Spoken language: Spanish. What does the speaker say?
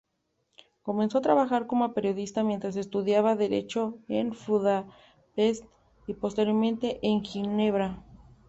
Comenzó a trabajar como periodista mientras estudiaba derecho en Budapest y posteriormente en Ginebra.